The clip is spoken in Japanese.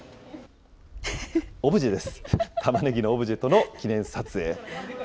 オブジェです、たまねぎのオブジェとの記念撮影。